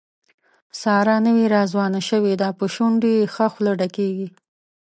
ساره نوې راځوانه شوې ده، په شونډو یې ښه خوله ډکېږي.